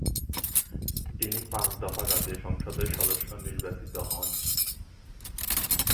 তিনি পাঁচ দফা জাতীয় সংসদের সদস্য নির্বাচিত হন।